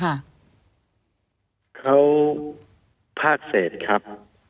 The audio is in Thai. เขาภาคเศษครับ